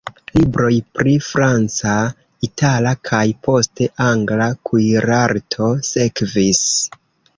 Libroj pri franca, itala kaj, poste, angla kuirarto sekvis.